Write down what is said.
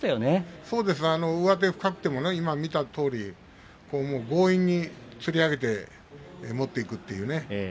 上手が深くて今見たとおり強引につり上げて持っていくというね。